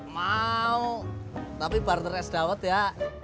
mau tapi barter es dawet ya